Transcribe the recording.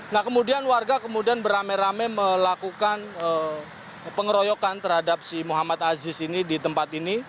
nah kemudian warga kemudian beramai ramai melakukan pengeroyokan terhadap si muhammad aziz ini di tempat ini